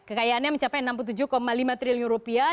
kekayaannya mencapai enam puluh tujuh lima triliun rupiah